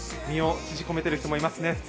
身を縮こめている人もいますね。